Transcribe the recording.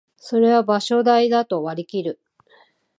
それは場所代だと割りきる